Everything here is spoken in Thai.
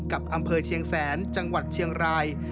กับอำเภอเชียงแสนจังหวัดเชียงราย